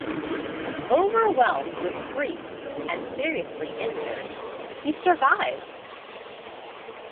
Overwhelmed with grief and seriously inured, he survives.